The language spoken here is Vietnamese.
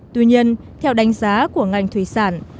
tuy nhiên theo đánh giá của ngành thủy sản